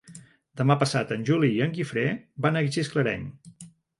Demà passat en Juli i en Guifré van a Gisclareny.